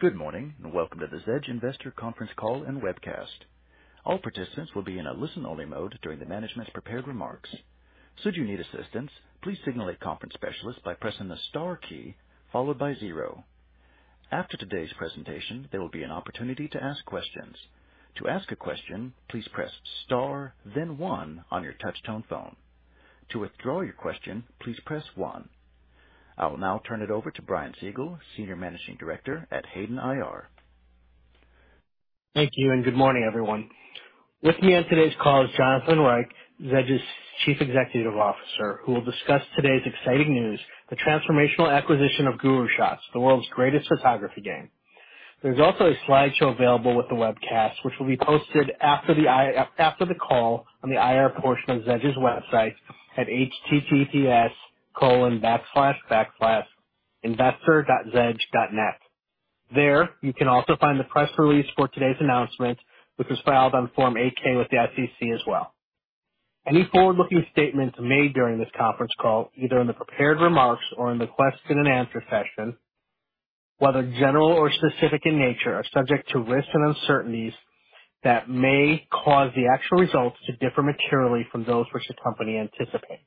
Good morning, and welcome to the Zedge investor conference call and webcast. All participants will be in a listen-only mode during the management's prepared remarks. Should you need assistance, please signal a conference specialist by pressing the star key followed by zero. After today's presentation, there will be an opportunity to ask questions. To ask a question, please press star then one on your touchtone phone. To withdraw your question, please press one. I will now turn it over to Brian Siegel, Senior Managing Director at Hayden IR. Thank you, and good morning, everyone. With me on today's call is Jonathan Reich, Zedge's Chief Executive Officer, who will discuss today's exciting news, the transformational acquisition of GuruShots, the world's greatest photography game. There's also a slideshow available with the webcast, which will be posted after the call on the IR portion of Zedge's website at https://investor.zedge.net. There, you can also find the press release for today's announcement, which was filed on Form 8-K with the SEC as well. Any forward-looking statements made during this conference call, either in the prepared remarks or in the question and answer session, whether general or specific in nature, are subject to risks and uncertainties that may cause the actual results to differ materially from those which the company anticipates.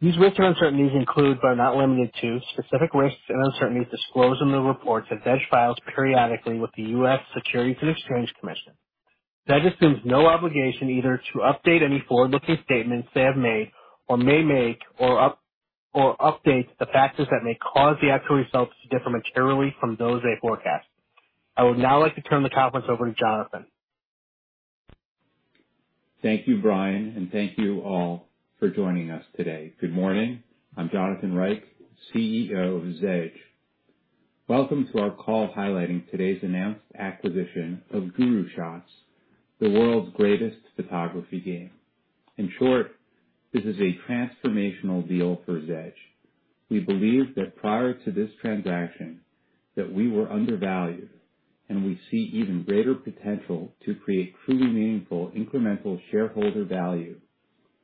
These risks and uncertainties include, but are not limited to, specific risks and uncertainties disclosed in the reports that Zedge files periodically with the U.S. Securities and Exchange Commission. Zedge assumes no obligation either to update any forward-looking statements they have made or may make or update the factors that may cause the actual results to differ materially from those they forecast. I would now like to turn the conference over to Jonathan. Thank you, Brian, and thank you all for joining us today. Good morning. I'm Jonathan Reich, CEO of Zedge. Welcome to our call highlighting today's announced acquisition of GuruShots, the world's greatest photography game. In short, this is a transformational deal for Zedge. We believe that prior to this transaction that we were undervalued, and we see even greater potential to create truly meaningful incremental shareholder value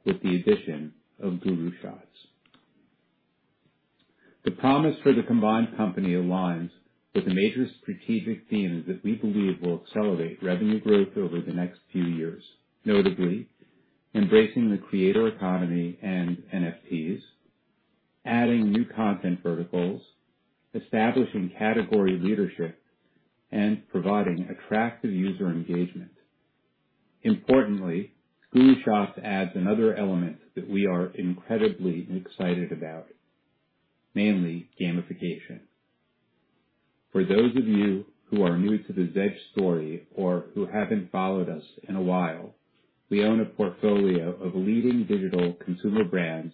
with the addition of GuruShots. The promise for the combined company aligns with the major strategic themes that we believe will accelerate revenue growth over the next few years. Notably, embracing the creator economy and NFTs, adding new content verticals, establishing category leadership, and providing attractive user engagement. Importantly, GuruShots adds another element that we are incredibly excited about. Namely, gamification. For those of you who are new to the Zedge story or who haven't followed us in a while, we own a portfolio of leading digital consumer brands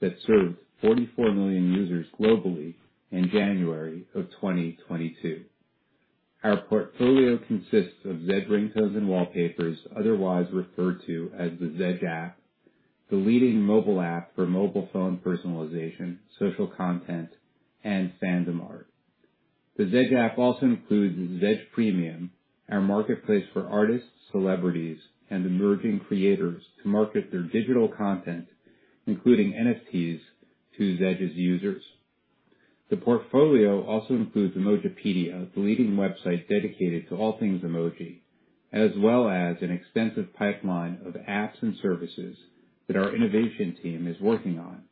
that served 44 million users globally in January of 2022. Our portfolio consists of Zedge Ringtones and Wallpapers, otherwise referred to as the Zedge app, the leading mobile app for mobile phone personalization, social content, and fandom art. The Zedge app also includes Zedge Premium, our marketplace for artists, celebrities, and emerging creators to market their digital content, including NFTs, to Zedge's users. The portfolio also includes Emojipedia, the leading website dedicated to all things emoji, as well as an extensive pipeline of apps and services that our innovation team is working on,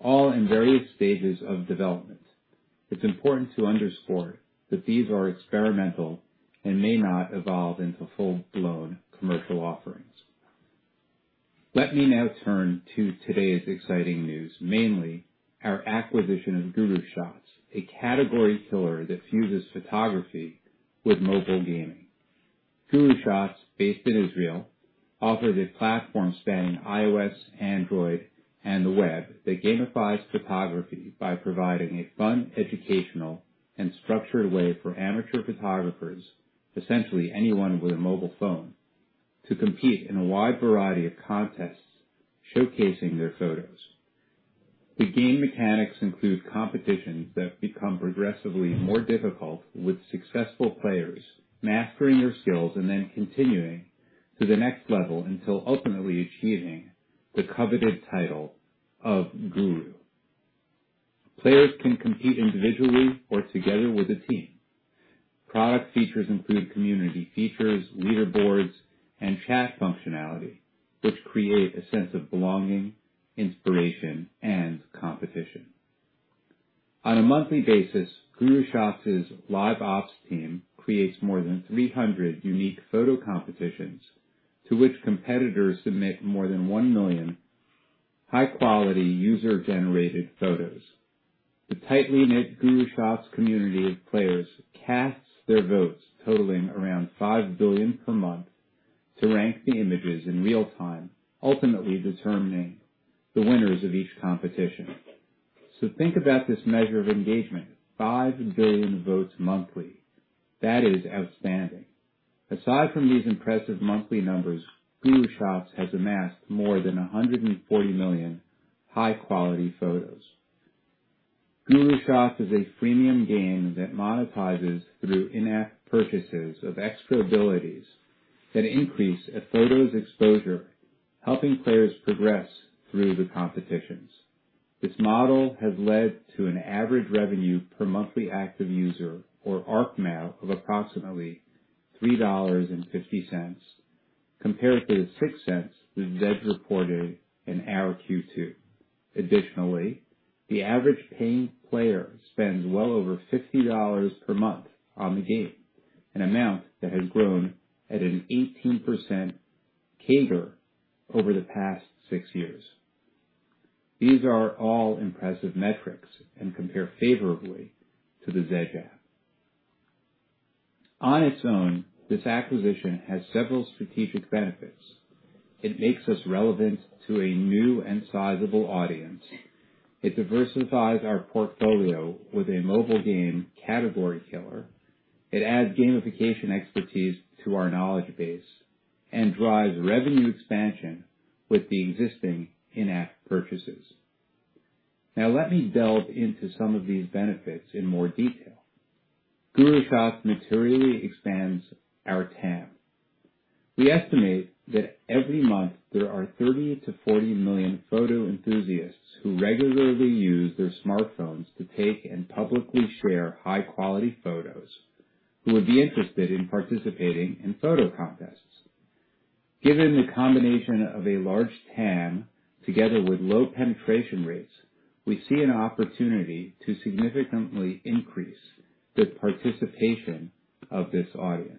all in various stages of development. It's important to underscore that these are experimental and may not evolve into full-blown commercial offerings. Let me now turn to today's exciting news, mainly our acquisition of GuruShots, a category killer that fuses photography with mobile gaming. GuruShots, based in Israel, offered a platform spanning iOS, Android, and the web that gamifies photography by providing a fun, educational, and structured way for amateur photographers, essentially anyone with a mobile phone, to compete in a wide variety of contests showcasing their photos. The game mechanics include competitions that become progressively more difficult, with successful players mastering their skills and then continuing to the next level until ultimately achieving the coveted title of Guru. Players can compete individually or together with a team. Product features include community features, leaderboards, and chat functionality, which create a sense of belonging, inspiration, and competition. On a monthly basis, GuruShots' Live Ops team creates more than 300 unique photo competitions to which competitors submit more than 1 million high-quality user-generated photos. The tightly knit GuruShots community of players casts their votes, totaling around 5 billion per month, to rank the images in real time, ultimately determining the winners of each competition. Think about this measure of engagement, 5 billion votes monthly. That is outstanding. Aside from these impressive monthly numbers, GuruShots has amassed more than 140 million high-quality photos. GuruShots is a freemium game that monetizes through in-app purchases of extra abilities that increase a photo's exposure, helping players progress through the competitions. This model has led to an average revenue per monthly active user or ARPMAU of approximately $3.50 compared to the $0.06 that Zedge reported in our Q2. Additionally, the average paying player spends well over $50 per month on the game, an amount that has grown at an 18% CAGR over the past six years. These are all impressive metrics and compare favorably to the Zedge app. On its own, this acquisition has several strategic benefits. It makes us relevant to a new and sizable audience. It diversifies our portfolio with a mobile game category killer. It adds gamification expertise to our knowledge base and drives revenue expansion with the existing in-app purchases. Now, let me delve into some of these benefits in more detail. GuruShots materially expands our TAM. We estimate that every month there are 30-40 million photo enthusiasts who regularly use their smartphones to take and publicly share high-quality photos, who would be interested in participating in photo contests. Given the combination of a large TAM together with low penetration rates, we see an opportunity to significantly increase the participation of this audience.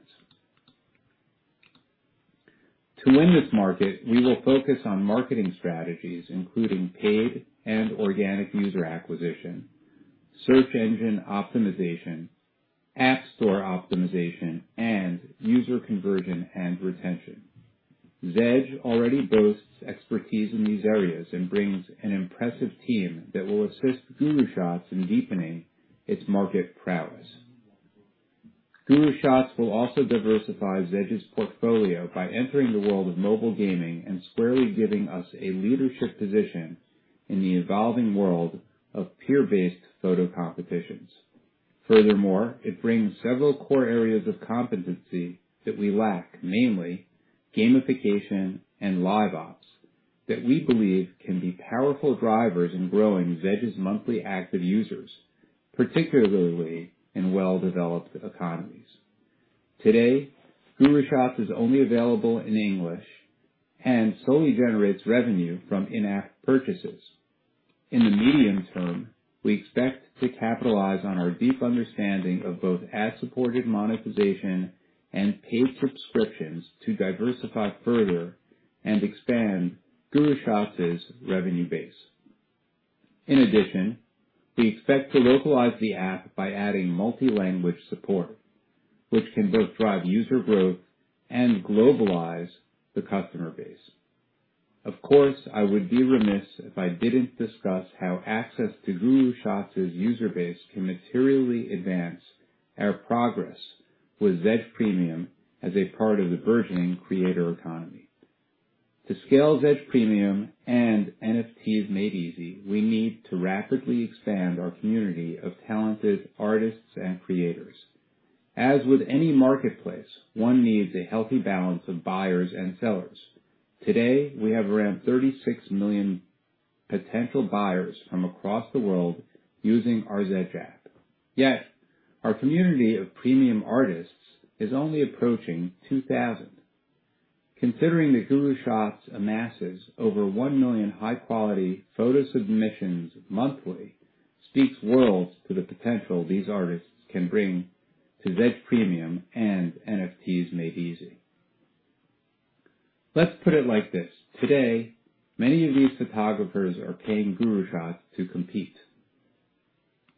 To win this market, we will focus on marketing strategies including paid and organic user acquisition, search engine optimization, app store optimization, and user conversion and retention. Zedge already boasts expertise in these areas and brings an impressive team that will assist GuruShots in deepening its market prowess. GuruShots will also diversify Zedge's portfolio by entering the world of mobile gaming and squarely giving us a leadership position in the evolving world of peer-based photo competitions. Furthermore, it brings several core areas of competency that we lack, namely gamification and Live Ops, that we believe can be powerful drivers in growing Zedge's monthly active users, particularly in well-developed economies. Today, GuruShots is only available in English and solely generates revenue from in-app purchases. In the medium term, we expect to capitalize on our deep understanding of both ad-supported monetization and paid subscriptions to diversify further and expand GuruShots' revenue base. In addition, we expect to localize the app by adding multi-language support, which can both drive user growth and globalize the customer base. Of course, I would be remiss if I didn't discuss how access to GuruShots' user base can materially advance our progress with Zedge Premium as a part of the burgeoning creator economy. To scale Zedge Premium and NFTs Made Easy, we need to rapidly expand our community of talented artists and creators. As with any marketplace, one needs a healthy balance of buyers and sellers. Today, we have around 36 million potential buyers from across the world using our Zedge app. Yet, our community of premium artists is only approaching 2,000. Considering that GuruShots amasses over 1 million high-quality photo submissions monthly speaks volumes to the potential these artists can bring to Zedge Premium and NFTs Made Easy. Let's put it like this. Today, many of these photographers are paying GuruShots to compete.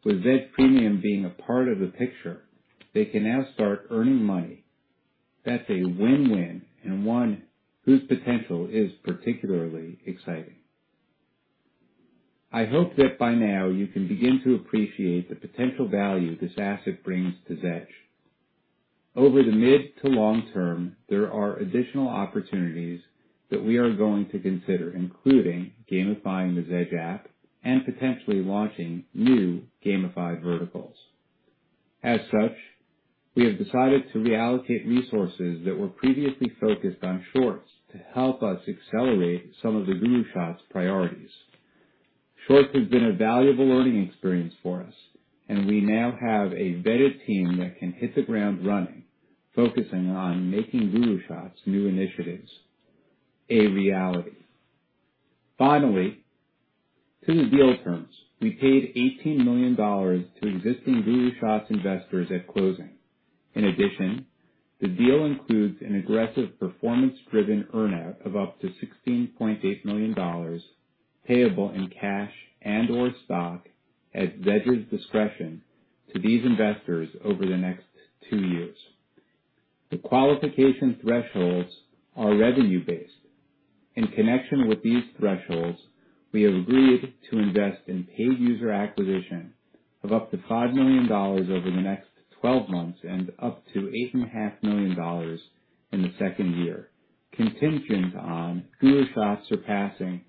With Zedge Premium being a part of the picture, they can now start earning money. That's a win-win and one whose potential is particularly exciting. I hope that by now you can begin to appreciate the potential value this asset brings to Zedge. Over the mid to long-term, there are additional opportunities that we are going to consider, including gamifying the Zedge app and potentially launching new gamified verticals. As such, we have decided to reallocate resources that were previously focused on Shorts to help us accelerate some of the GuruShots priorities. Shorts has been a valuable learning experience for us, and we now have a vetted team that can hit the ground running, focusing on making GuruShots' new initiatives a reality. Finally, to the deal terms. We paid $18 million to existing GuruShots investors at closing. In addition, the deal includes an aggressive performance-driven earn-out of up to $16.8 million payable in cash and/or stock at Zedge's discretion to these investors over the next two years. The qualification thresholds are revenue-based. In connection with these thresholds, we have agreed to invest in paid user acquisition of up to $5 million over the next 12 months and up to $8.5 million in the second year, contingent on GuruShots surpassing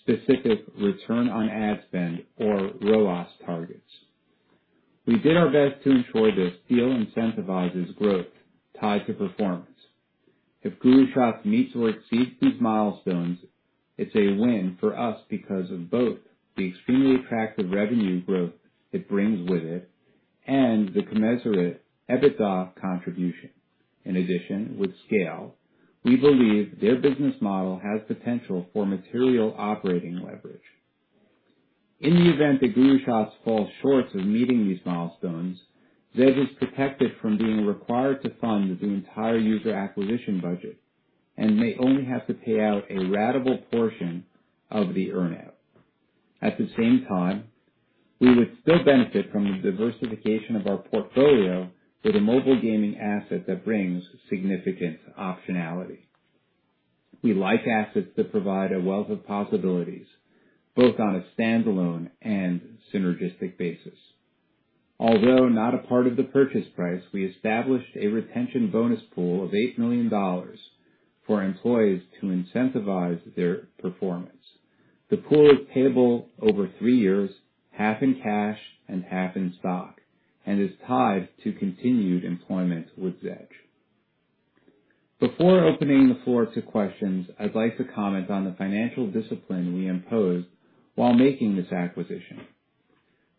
specific return on ad spend or ROAS targets. We did our best to ensure this deal incentivizes growth tied to performance. If GuruShots meets or exceeds these milestones, it's a win for us because of both the extremely attractive revenue growth it brings with it and the commensurate EBITDA contribution. In addition, with scale, we believe their business model has potential for material operating leverage. In the event that GuruShots falls short of meeting these milestones, Zedge is protected from being required to fund the entire user acquisition budget and may only have to pay out a ratable portion of the earn-out. At the same time, we would still benefit from the diversification of our portfolio with a mobile gaming asset that brings significant optionality. We like assets that provide a wealth of possibilities, both on a standalone and synergistic basis. Although not a part of the purchase price, we established a retention bonus pool of $8 million for employees to incentivize their performance. The pool is payable over three years, half in cash and half in stock, and is tied to continued employment with Zedge. Before opening the floor to questions, I'd like to comment on the financial discipline we imposed while making this acquisition.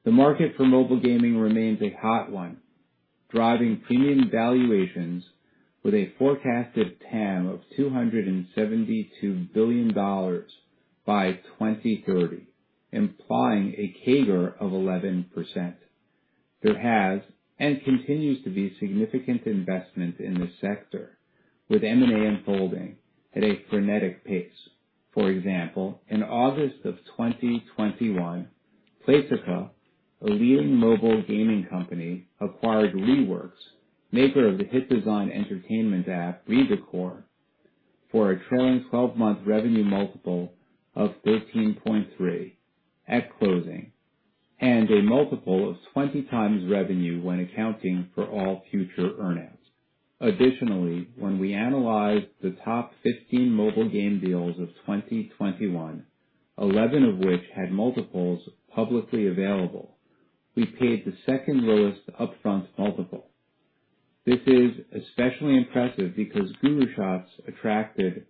The market for mobile gaming remains a hot one, driving premium valuations with a forecasted TAM of $272 billion by 2030, implying a CAGR of 11%. There has and continues to be significant investment in this sector, with M&A unfolding at a frenetic pace. For example, in August 2021, Playtika, a leading mobile gaming company, acquired Reworks, maker of the hit design entertainment app Redecor, for a trailing twelve-month revenue multiple of 13.3x at closing and a multiple of 20x revenue when accounting for all future earn-outs. Additionally, when we analyzed the top 15 mobile game deals of 2021, 11 of which had multiples publicly available, we paid the second-lowest upfront multiple. This is especially impressive because GuruShots attracted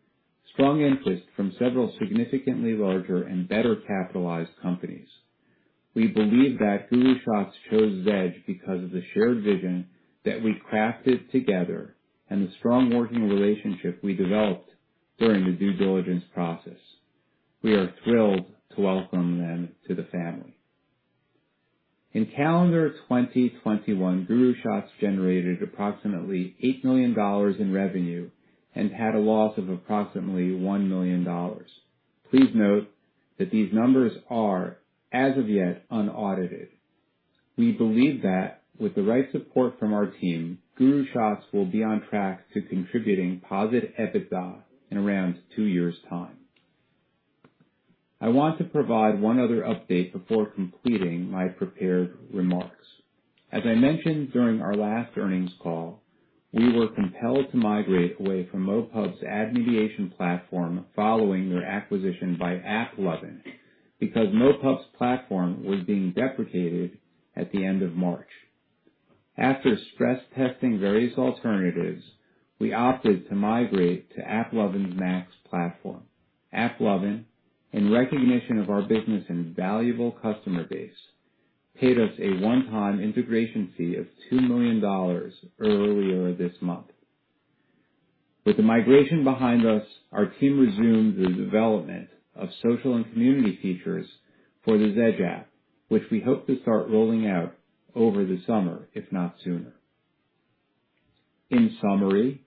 strong interest from several significantly larger and better-capitalized companies. We believe that GuruShots chose Zedge because of the shared vision that we crafted together and the strong working relationship we developed during the due diligence process. We are thrilled to welcome them to the family. In calendar 2021, GuruShots generated approximately $8 million in revenue and had a loss of approximately $1 million. Please note that these numbers are, as of yet, unaudited. We believe that with the right support from our team, GuruShots will be on track to contributing positive EBITDA in around 2 years' time. I want to provide one other update before completing my prepared remarks. As I mentioned during our last earnings call, we were compelled to migrate away from MoPub's ad mediation platform following their acquisition by AppLovin because MoPub's platform was being deprecated at the end of March. After stress testing various alternatives, we opted to migrate to AppLovin's MAX platform. AppLovin, in recognition of our business and valuable customer base, paid us a one-time integration fee of $2 million earlier this month. With the migration behind us, our team resumed the development of social and community features for the Zedge app, which we hope to start rolling out over the summer, if not sooner. In summary,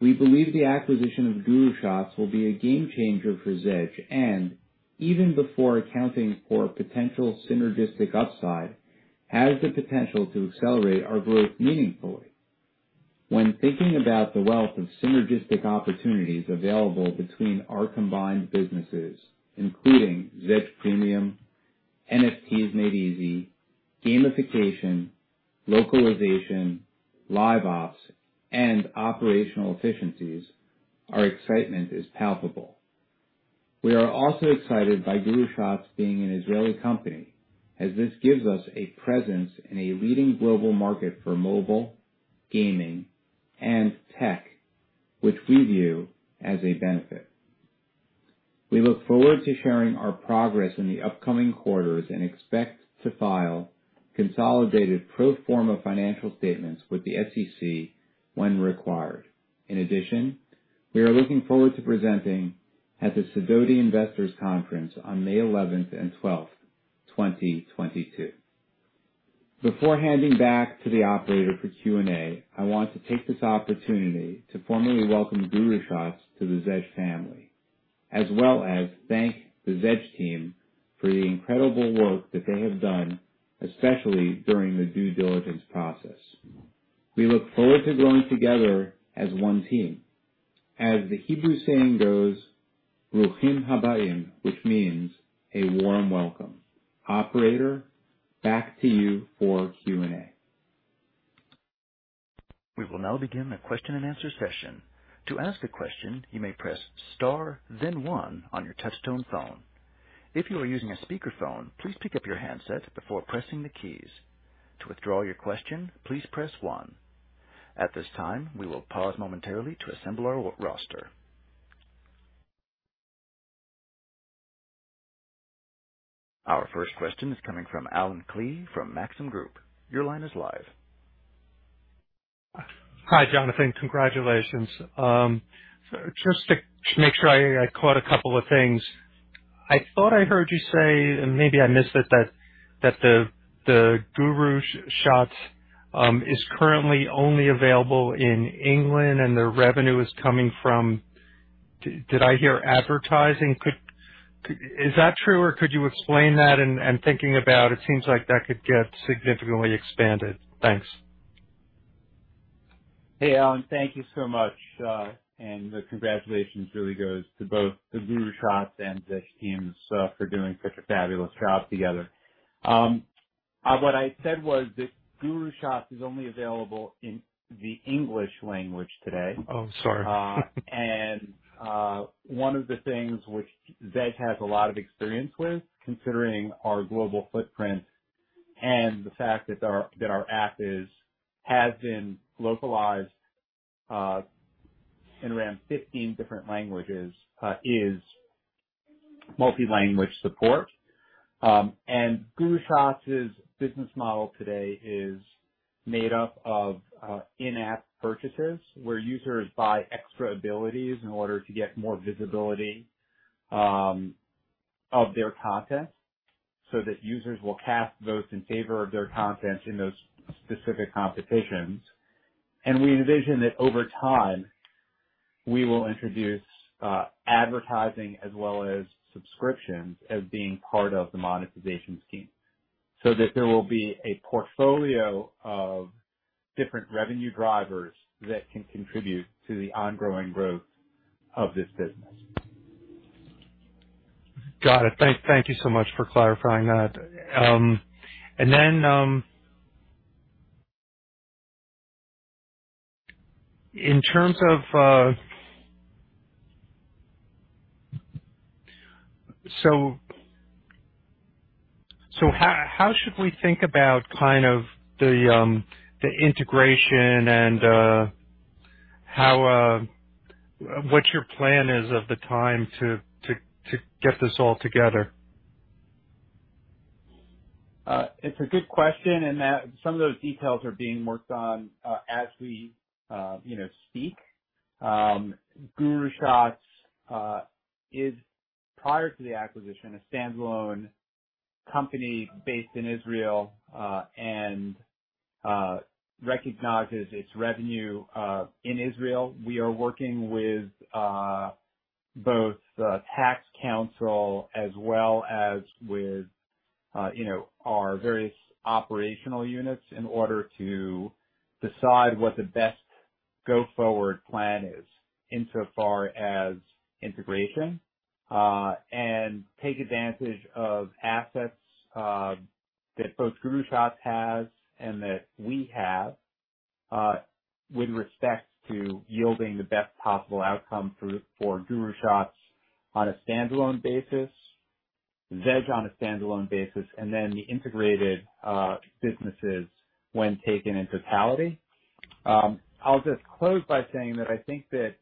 we believe the acquisition of GuruShots will be a game changer for Zedge and, even before accounting for potential synergistic upside, has the potential to accelerate our growth meaningfully. When thinking about the wealth of synergistic opportunities available between our combined businesses, including Zedge Premium, NFTs Made Easy, gamification, localization, Live Ops, and operational efficiencies, our excitement is palpable. We are also excited by GuruShots being an Israeli company, as this gives us a presence in a leading global market for mobile, gaming, and tech, which we view as a benefit. We look forward to sharing our progress in the upcoming quarters and expect to file consolidated pro forma financial statements with the SEC when required. In addition, we are looking forward to presenting at the Sidoti Investors Conference on May 11th and 12th, 2022. Before handing back to the operator for Q&A, I want to take this opportunity to formally welcome GuruShots to the Zedge family, as well as thank the Zedge team for the incredible work that they have done, especially during the due diligence process. We look forward to growing together as one team. As the Hebrew saying goes, "Bruchim haba'im," which means a warm welcome. Operator, back to you for Q&A. We will now begin the question and answer session. To ask a question, you may press star then one on your touchtone phone. If you are using a speakerphone, please pick up your handset before pressing the keys. To withdraw your question, please press one. At this time, we will pause momentarily to assemble our roster. Our first question is coming from Allen Klee from Maxim Group. Your line is live. Hi, Jonathan. Congratulations. Just to make sure I caught a couple of things. I thought I heard you say, and maybe I missed it, that the GuruShots is currently only available in England and the revenue is coming from. Did I hear advertising? Is that true, or could you explain that? Thinking about it seems like that could get significantly expanded. Thanks. Hey, Allen, thank you so much. The congratulations really goes to both the GuruShots and the teams for doing such a fabulous job together. What I said was that GuruShots is only available in the English language today. Oh, sorry. One of the things which Zedge has a lot of experience with, considering our global footprint and the fact that our app has been localized in around 15 different languages, is multi-language support. GuruShots' business model today is made up of in-app purchases, where users buy extra abilities in order to get more visibility of their content, so that users will cast votes in favor of their content in those specific competitions. We envision that over time, we will introduce advertising as well as subscriptions as being part of the monetization scheme, so that there will be a portfolio of different revenue drivers that can contribute to the ongoing growth of this business. Got it. Thank you so much for clarifying that. In terms of how should we think about kind of the integration and how what your plan is of the time to get this all together? It's a good question, and that some of those details are being worked on, as we, you know, speak. GuruShots is, prior to the acquisition, a standalone company based in Israel, and recognizes its revenue in Israel. We are working with both tax counsel as well as with, you know, our various operational units in order to decide what the best go forward plan is insofar as integration and take advantage of assets that both GuruShots has and that we have with respect to yielding the best possible outcome for GuruShots on a standalone basis, Zedge on a standalone basis, and then the integrated businesses when taken in totality. I'll just close by saying that I think that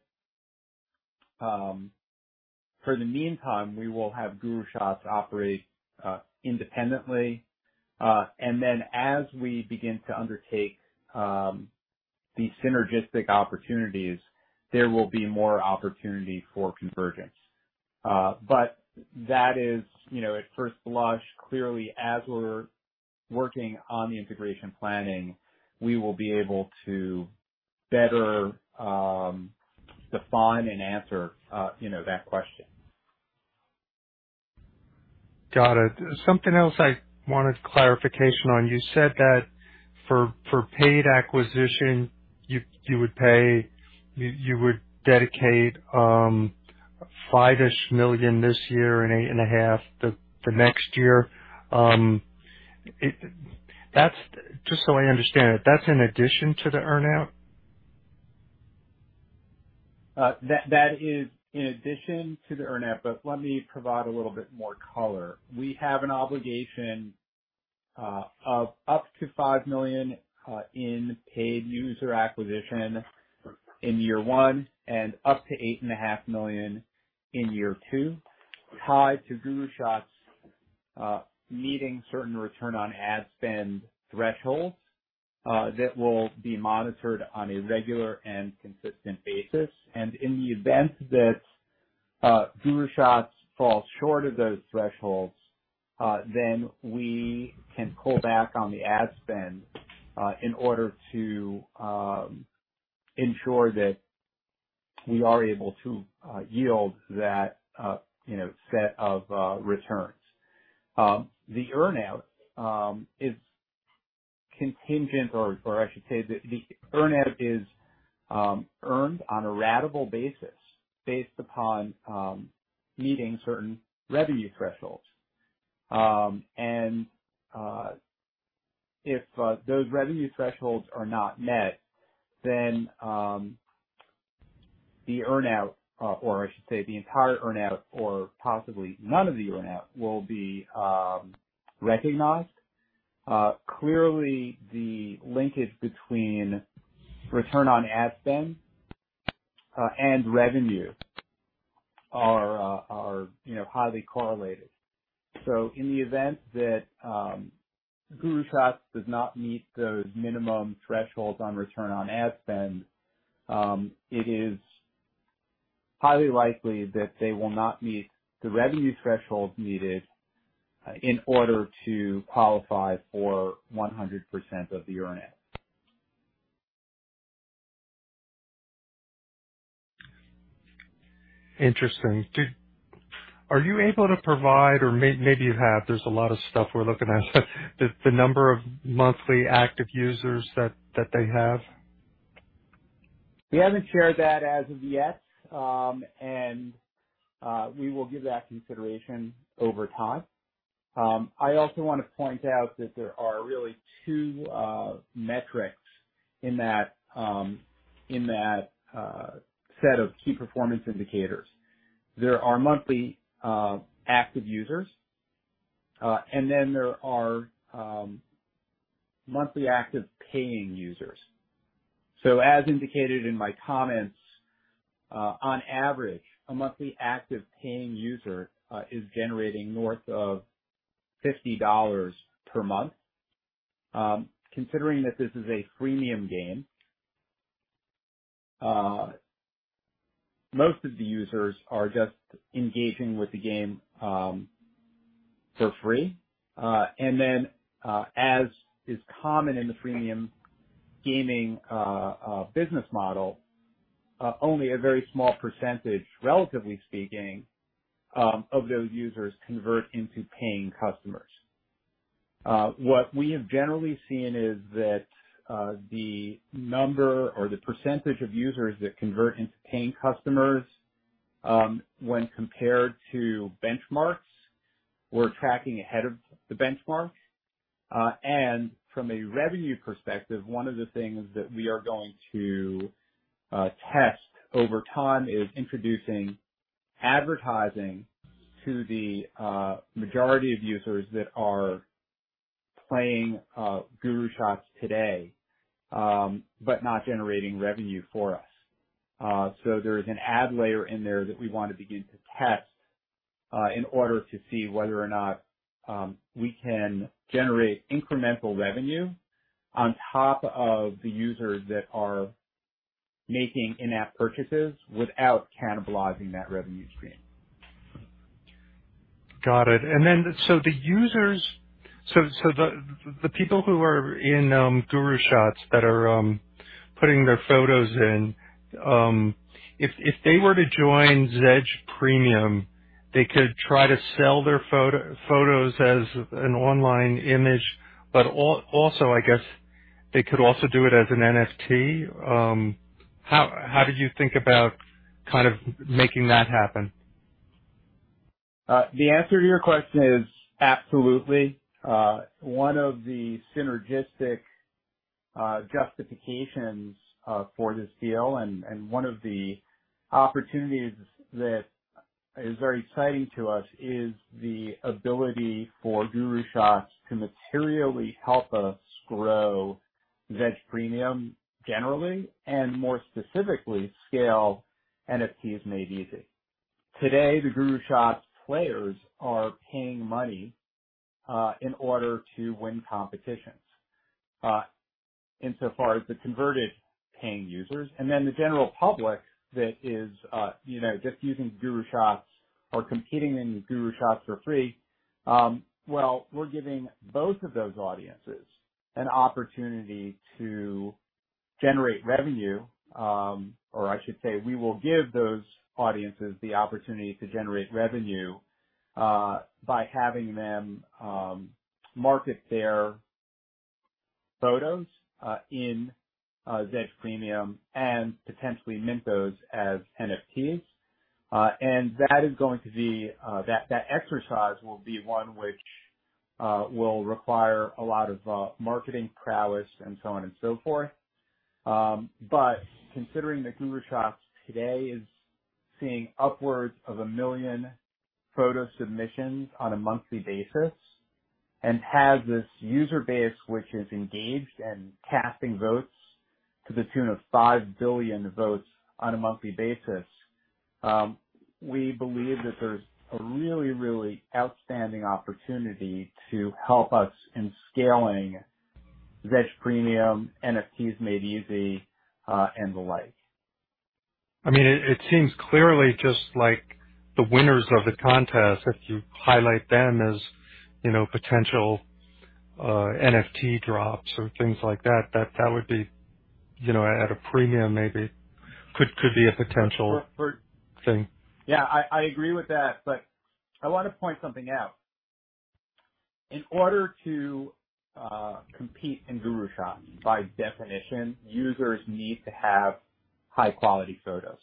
for the meantime, we will have GuruShots operate independently. As we begin to undertake the synergistic opportunities, there will be more opportunity for convergence. That is, you know, at first blush. Clearly, as we're working on the integration planning, we will be able to better define and answer, you know, that question. Got it. Something else I wanted clarification on. You said that for paid acquisition, you would dedicate $5-ish million this year and $8.5 million the next year. That's just so I understand it, that's in addition to the earn-out? That is in addition to the earn-out. Let me provide a little bit more color. We have an obligation of up to $5 million in paid user acquisition in year one and up to $8.5 million in year two, tied to GuruShots meeting certain return on ad spend thresholds that will be monitored on a regular and consistent basis. In the event that GuruShots falls short of those thresholds, then we can pull back on the ad spend in order to ensure that we are able to yield that you know set of returns. The earn-out is earned on a ratable basis based upon meeting certain revenue thresholds. If those revenue thresholds are not met, then the earn-out, or I should say the entire earn-out or possibly none of the earn-out will be recognized. Clearly, the linkage between return on ad spend and revenue are, you know, highly correlated. In the event that GuruShots does not meet those minimum thresholds on return on ad spend, it is highly likely that they will not meet the revenue thresholds needed in order to qualify for 100% of the earn-out. Interesting. Are you able to provide or maybe you have, there's a lot of stuff we're looking at. The number of monthly active users that they have. We haven't shared that as of yet, and we will give that consideration over time. I also wanna point out that there are really two metrics in that set of key performance indicators. There are monthly active users, and then there are monthly active paying users. As indicated in my comments, on average, a monthly active paying user is generating north of $50 per month. Considering that this is a freemium game, most of the users are just engaging with the game for free. As is common in the freemium gaming business model, only a very small percentage, relatively speaking, of those users convert into paying customers. What we have generally seen is that the number or the percentage of users that convert into paying customers, when compared to benchmarks, we're tracking ahead of the benchmarks. From a revenue perspective, one of the things that we are going to test over time is introducing advertising to the majority of users that are playing GuruShots today, but not generating revenue for us. There is an ad layer in there that we want to begin to test in order to see whether or not we can generate incremental revenue on top of the users that are making in-app purchases without cannibalizing that revenue stream. Got it. The people who are in GuruShots that are putting their photos in, if they were to join Zedge Premium, they could try to sell their photos as an online image, but also, I guess they could also do it as an NFT. How did you think about kind of making that happen? The answer to your question is absolutely. One of the synergistic justifications for this deal, and one of the opportunities that is very exciting to us is the ability for GuruShots to materially help us grow Zedge Premium generally, and more specifically, scale NFTs Made Easy. Today, the GuruShots players are paying money in order to win competitions, insofar as the converted paying users. The general public that is, you know, just using GuruShots or competing in GuruShots for free, well, we're giving both of those audiences an opportunity to generate revenue. Or I should say, we will give those audiences the opportunity to generate revenue by having them market their photos in Zedge Premium and potentially mint those as NFTs. That exercise will be one which will require a lot of marketing prowess and so on and so forth. Considering that GuruShots today is seeing upwards of 1 million photo submissions on a monthly basis and has this user base, which is engaged and casting votes to the tune of 5 billion votes on a monthly basis, we believe that there's a really, really outstanding opportunity to help us in scaling Zedge Premium, NFTs Made Easy, and the like. I mean, it seems clearly just like the winners of the contest, if you highlight them as, you know, potential NFT drops or things like that would be, you know, at a premium maybe could be a potential thing. Yeah, I agree with that, but I want to point something out. In order to compete in GuruShots, by definition, users need to have high quality photos.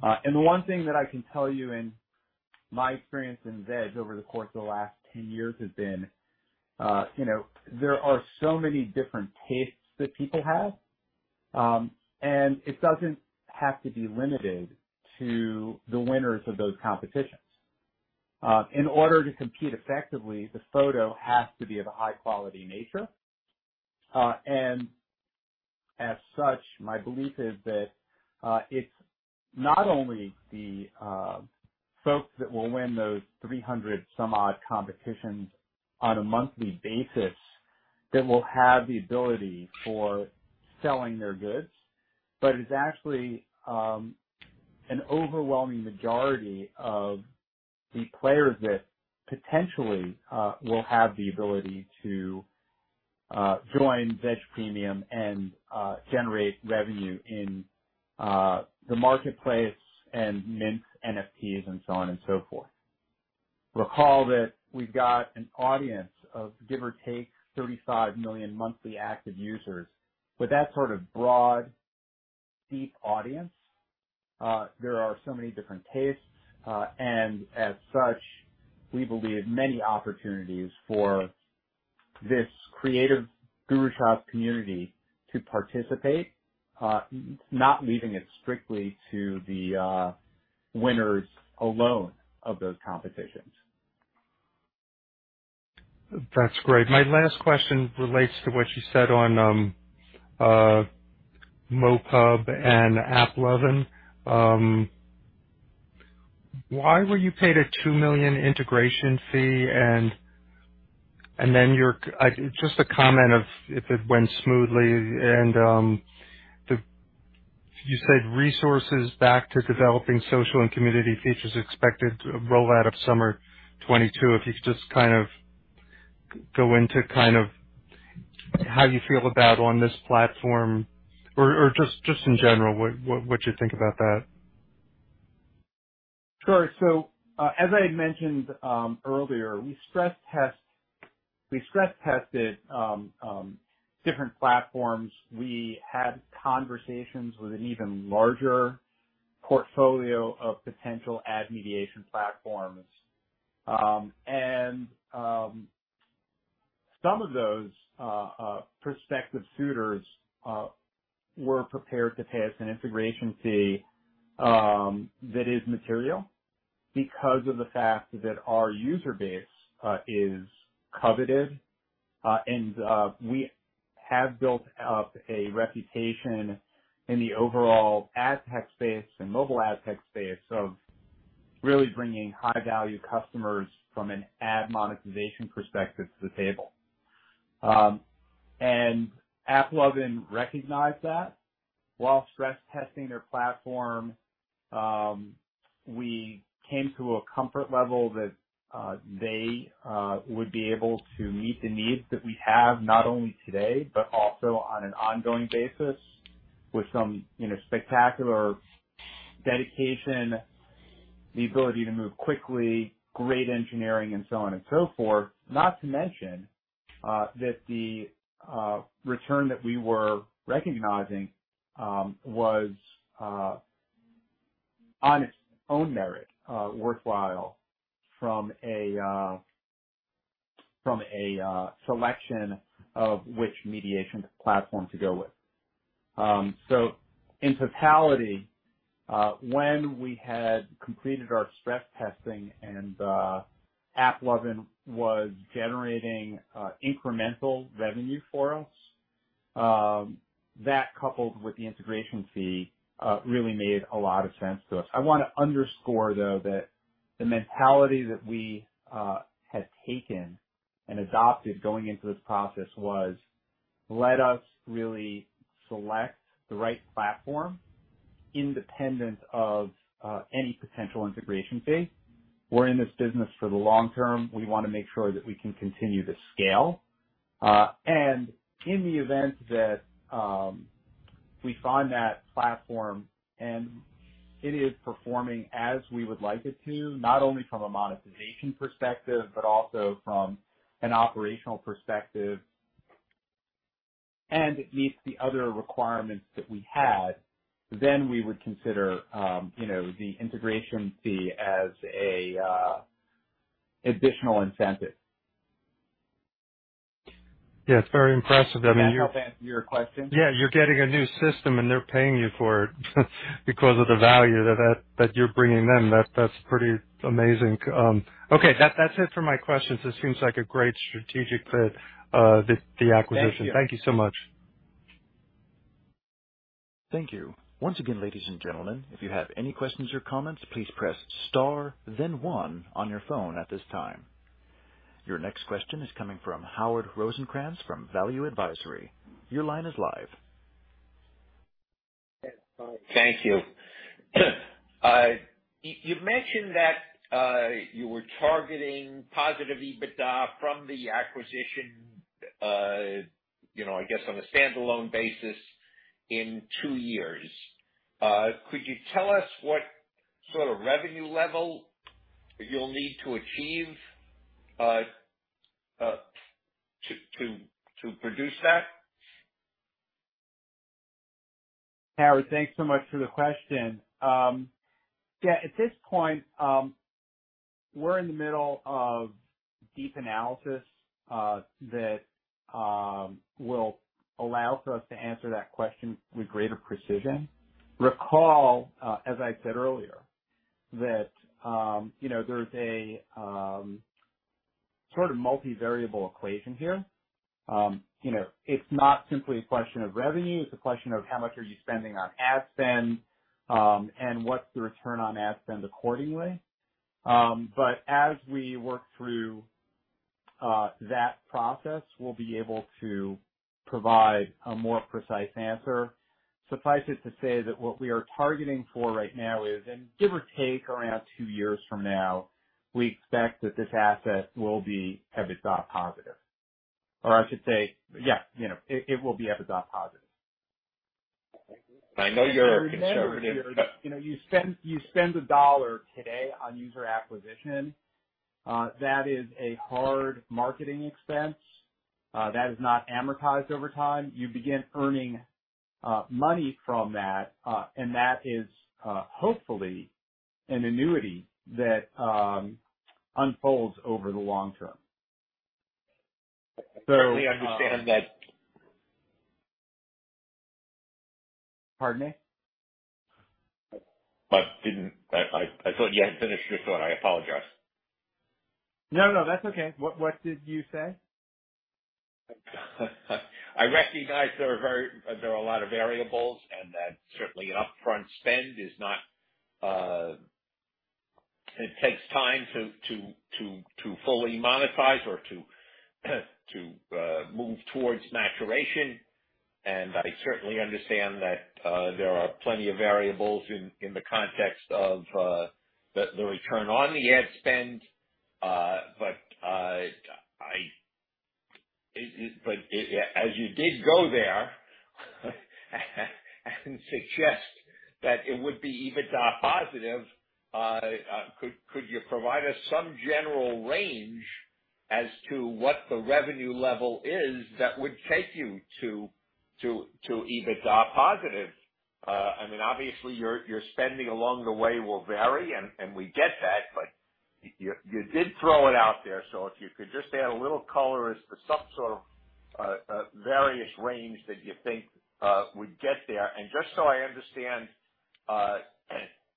The one thing that I can tell you in my experience in Zedge over the course of the last 10 years has been, you know, there are so many different tastes that people have, and it doesn't have to be limited to the winners of those competitions. In order to compete effectively, the photo has to be of a high-quality nature. My belief is that it's not only the folks that will win those 300-some-odd competitions on a monthly basis that will have the ability for selling their goods, but it's actually an overwhelming majority of the players that potentially will have the ability to join Zedge Premium and generate revenue in the marketplace and mint NFTs and so on and so forth. Recall that we've got an audience of, give or take, 35 million monthly active users. With that sort of broad, deep audience, there are so many different tastes, and as such, we believe many opportunities for this creative GuruShots community to participate, not leaving it strictly to the winners alone of those competitions. That's great. My last question relates to what you said on MoPub and AppLovin. Why were you paid a $2 million integration fee? And then just a comment on if it went smoothly and then the resources back to developing social and community features expected to roll out in summer 2022. If you could just kind of go into kind of how you feel about this platform or just in general what you think about that. Sure. As I had mentioned earlier, we stress tested different platforms. We had conversations with an even larger portfolio of potential ad mediation platforms. Some of those prospective suitors were prepared to pay us an integration fee that is material because of the fact that our user base is coveted. We have built up a reputation in the overall ad tech space and mobile ad tech space of really bringing high-value customers from an ad monetization perspective to the table. AppLovin recognized that. While stress testing their platform, we came to a comfort level that they would be able to meet the needs that we have, not only today, but also on an ongoing basis with some, you know, spectacular dedication, the ability to move quickly, great engineering, and so on and so forth. Not to mention that the return that we were recognizing was on its own merit worthwhile from a selection of which mediation platform to go with. In totality, when we had completed our stress testing and AppLovin was generating incremental revenue for us, that coupled with the integration fee really made a lot of sense to us. I wanna underscore, though, that the mentality that we had taken and adopted going into this process was let us really select the right platform independent of any potential integration fee. We're in this business for the long-term. We wanna make sure that we can continue to scale. In the event that we find that platform and it is performing as we would like it to, not only from a monetization perspective, but also from an operational perspective, and it meets the other requirements that we had, then we would consider you know, the integration fee as a additional incentive. Yeah, it's very impressive. I mean. Does that help answer your question? Yeah. You're getting a new system, and they're paying you for it because of the value that you're bringing them. That's pretty amazing. Okay, that's it for my questions. This seems like a great strategic fit, the acquisition. Thank you. Thank you so much. Thank you. Once again, ladies and gentlemen, if you have any questions or comments, please press star then one on your phone at this time. Your next question is coming from Howard Rosencrans from Value Advisory. Your line is live. Thank you. You've mentioned that you were targeting positive EBITDA from the acquisition, you know, I guess on a standalone basis in two years. Could you tell us what sort of revenue level you'll need to achieve to produce that? Howard, thanks so much for the question. At this point, we're in the middle of deep analysis that will allow us to answer that question with greater precision. Recall, as I said earlier, you know, there's a sort of multi-variable equation here. You know, it's not simply a question of revenue, it's a question of how much are you spending on ad spend, and what's the return on ad spend accordingly. As we work through that process, we'll be able to provide a more precise answer. Suffice it to say that what we are targeting for right now is, and give or take around two years from now, we expect that this asset will be EBITDA positive. I should say, you know, it will be EBITDA positive. Thank you. I know you're conservative. You know, you spend $1 today on user acquisition, that is a hard marketing expense, that is not amortized over time. You begin earning money from that, and that is, hopefully an annuity that unfolds over the long-term. I certainly understand that. Pardon me? I thought you hadn't finished your thought. I apologize. No, that's okay. What did you say? I recognize there are a lot of variables, and that certainly upfront spend is not. It takes time to fully monetize or to move towards maturation. I certainly understand that there are plenty of variables in the context of the return on the ad spend. As you did go there and suggest that it would be EBITDA positive, could you provide us some general range as to what the revenue level is that would take you to EBITDA positive? I mean, obviously your spending along the way will vary, and we get that, but you did throw it out there. If you could just add a little color as to some sort of various range that you think would get there. Just so I understand,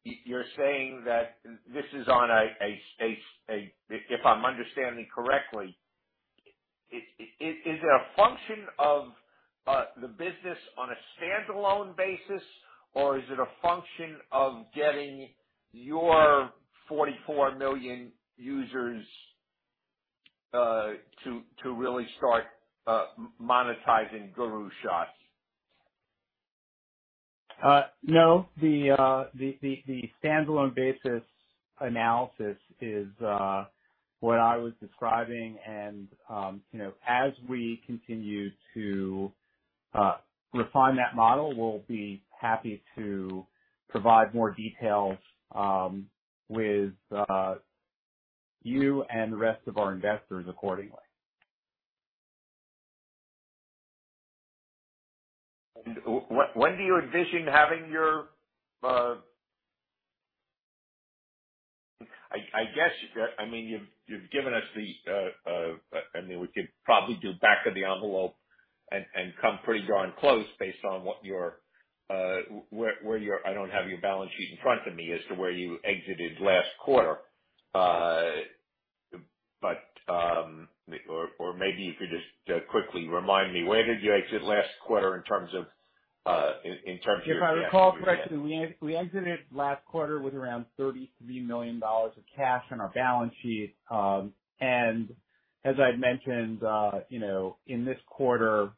you're saying that this is on a. If I'm understanding correctly, is it a function of the business on a standalone basis, or is it a function of getting your 44 million users to really start monetizing GuruShots? No, the standalone basis analysis is what I was describing. You know, as we continue to refine that model, we'll be happy to provide more details with you and the rest of our investors accordingly. When do you envision having your? I guess, I mean, you've given us the. I mean, we could probably do back of the envelope and come pretty darn close based on, I don't have your balance sheet in front of me as to where you exited last quarter. But, or maybe you could just quickly remind me where did you exit last quarter in terms of? If I recall correctly, we exited last quarter with around $33 million of cash on our balance sheet. As I'd mentioned, you know, in this quarter,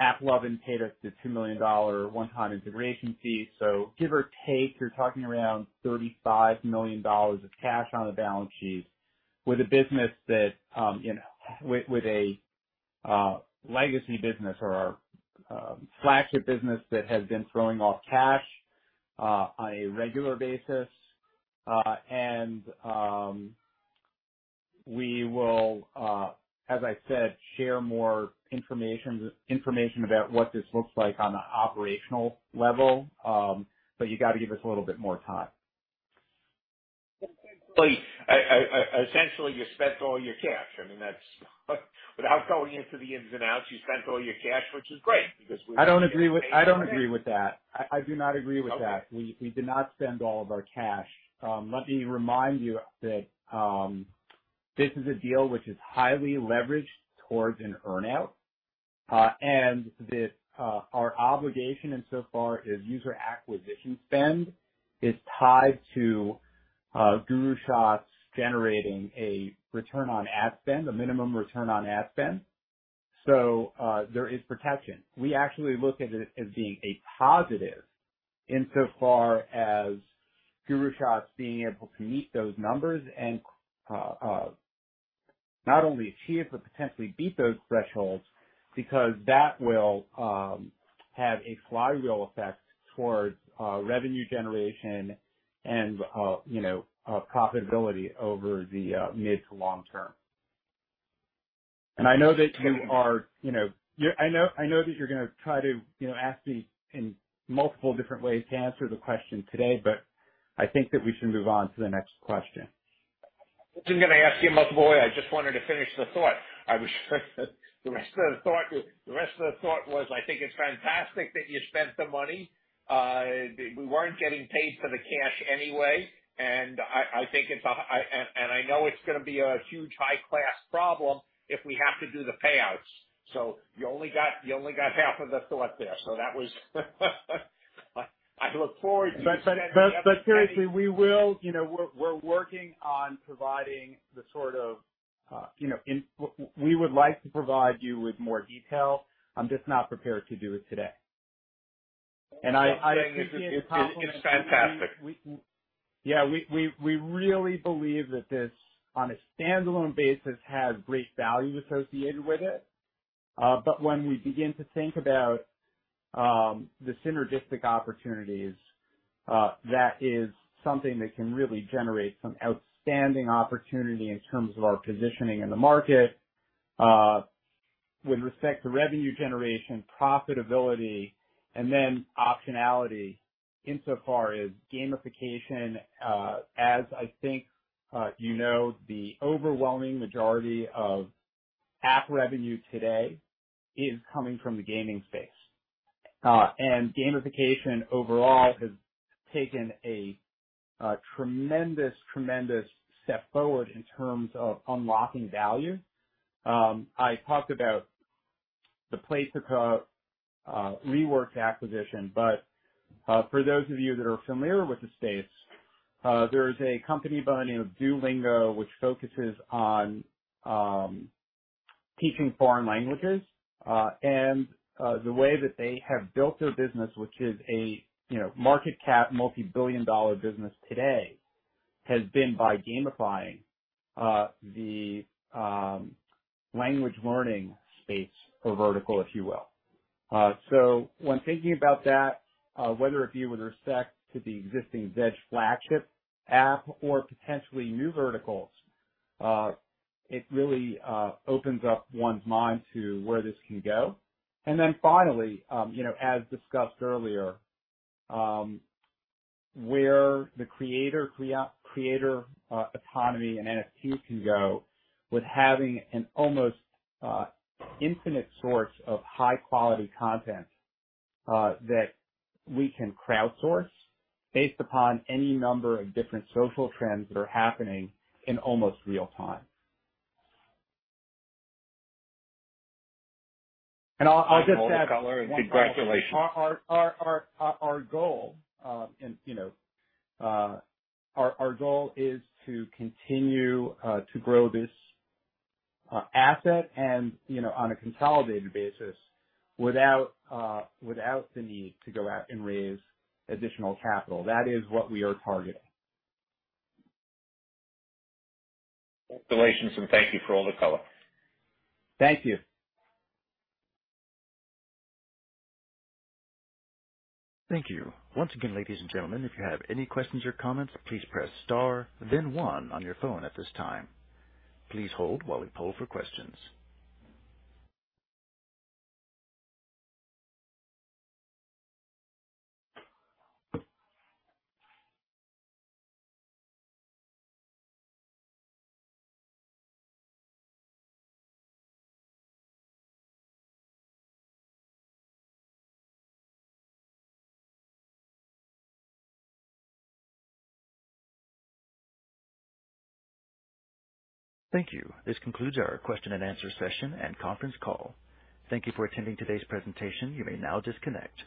AppLovin paid us the $2 million one-time integration fee. Give or take, you're talking around $35 million of cash on the balance sheet with a business that, you know, with a legacy business or our flagship business that has been throwing off cash on a regular basis. We will, as I said, share more information about what this looks like on an operational level. You got to give us a little bit more time. I, essentially, you spent all your cash. I mean, that's without going into the ins and outs, you spent all your cash, which is great because. I do not agree with that. Okay. We did not spend all of our cash. Let me remind you that this is a deal which is highly leveraged towards an earn-out. Our obligation insofar as user acquisition spend is tied to GuruShots generating a return on ad spend, a minimum return on ad spend. There is protection. We actually look at it as being a positive insofar as GuruShots being able to meet those numbers and not only achieve, but potentially beat those thresholds because that will have a flywheel effect towards revenue generation and you know profitability over the mid to long-term. I know that you are, you know. I know, I know that you're gonna try to, you know, ask me in multiple different ways to answer the question today, but I think that we should move on to the next question. I wasn't gonna ask you multiple ways. I just wanted to finish the thought. The rest of the thought was, I think it's fantastic that you spent the money. We weren't getting paid for the cash anyway. I think it's huge. I know it's gonna be a huge high class problem if we have to do the payouts. You only got half of the thought there. That was. I look forward to you spending- Seriously, you know, we're working on providing the sort of, you know. We would like to provide you with more detail. I'm just not prepared to do it today. I. It's fantastic. Yeah. We really believe that this, on a standalone basis, has great value associated with it. But when we begin to think about the synergistic opportunities, that is something that can really generate some outstanding opportunity in terms of our positioning in the market, with respect to revenue generation, profitability, and then optionality insofar as gamification. As I think, you know, the overwhelming majority of app revenue today is coming from the gaming space. Gamification overall has taken a tremendous step forward in terms of unlocking value. I talked about the Playtika, Reworks acquisition, but for those of you that are familiar with the space, there's a company by the name of Duolingo which focuses on teaching foreign languages. The way that they have built their business, which is a, you know, market cap multi-billion-dollar business today, has been by gamifying the language learning space or vertical, if you will. When thinking about that, whether it be with respect to the existing Zedge flagship app or potentially new verticals, it really opens up one's mind to where this can go. Then finally, as discussed earlier, where the creator economy and NFT can go with having an almost infinite source of high-quality content that we can crowdsource based upon any number of different social trends that are happening in almost real time. I'll just add one last Congratulations. Our goal is to continue to grow this asset and, you know, on a consolidated basis without the need to go out and raise additional capital. That is what we are targeting. Congratulations, and thank you for all the color. Thank you. Thank you. Once again, ladies and gentlemen, if you have any questions or comments, please press star then one on your phone at this time. Please hold while we poll for questions. Thank you. This concludes our question and answer session and conference call. Thank you for attending today's presentation. You may now disconnect.